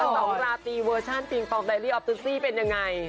สองราตีเวอร์ชันปิงปองไดรี่ออฟตุซี่เป็นยังไง